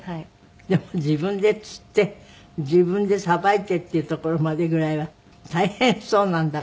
でも自分で釣って自分でさばいてっていうところまでぐらいは大変そうなんだか。